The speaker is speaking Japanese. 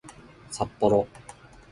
さっぽろ